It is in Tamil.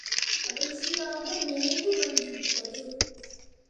கடைசியாக நினைவு வந்து விட்டது.